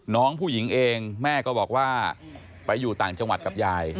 น้องผู้หญิงเองแม่ก็บอกว่าไปอยู่ต่างจังหวัดกับยาย